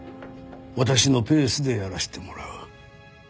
私のペースでやらせてもらう。